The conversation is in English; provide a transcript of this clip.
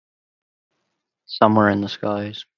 Somewhere in the skies.